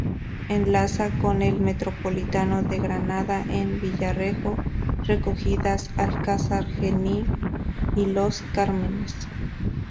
Enlaza con el Metropolitano de Granada en Villarejo, Recogidas, Alcázar Genil y Los Cármenes.